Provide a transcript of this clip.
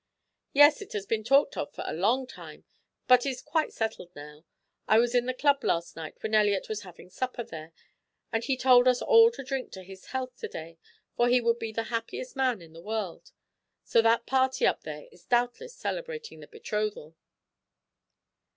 "Yes, it has been talked of for a long time, but is quite settled now. I was in the club last night when Elliot was having supper there, and he told us all to drink to his health to day, for he would be the happiest man in the world. So that party up there is doubtless celebrating the betrothal."